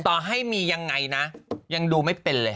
ต่อให้มียังไงนะยังดูไม่เป็นเลย